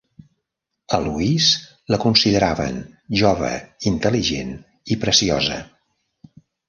A Louise la consideraven "jove, intel·ligent i preciosa".